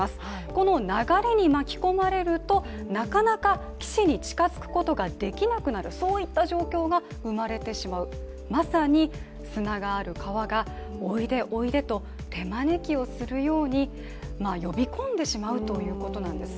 この流れに巻き込まれるとなかなか岸に近づくことができなくなるそういった状況が生まれてしまう、まさに砂がある川が、おいでおいでと手招きをするように呼び込んでしまうということなんです。